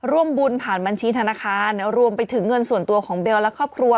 ร่วมบุญผ่านบัญชีธนาคารรวมไปถึงเงินส่วนตัวของเบลและครอบครัว